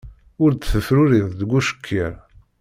Ur d-tefruriḍ deg ucekkiṛ